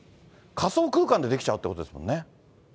仮想空間で出来ちゃうということですものね。